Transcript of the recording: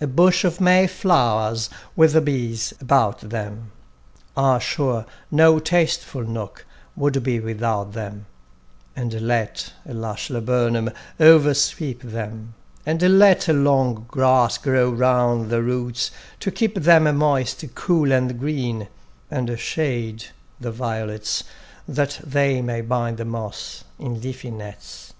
A bush of May flowers with the bees about them; Ah, sure no tasteful nook would be without them; And let a lush laburnum oversweep them, And let long grass grow round the roots to keep them Moist, cool and green; and shade the violets, That they may bind the moss in leafy nets.